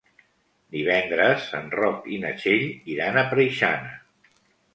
Divendres en Roc i na Txell iran a Preixana.